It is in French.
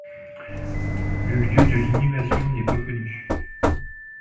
Le lieu de l'inhumation n'est pas connu.